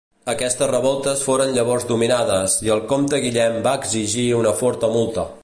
Aquestes revoltes foren llavors dominades i el comte Guillem va exigir una forta multa.